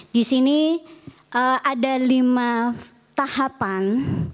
di sini ada lima tahapan